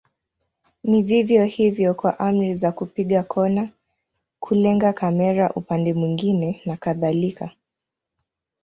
Ni vivyo hivyo kwa amri za kupiga kona, kulenga kamera upande mwingine na kadhalika.